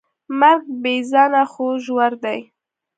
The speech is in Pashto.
مرګ بېځانه خو ژور دی.